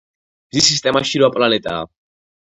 მზის სისტემაში რვა პლანეტაა.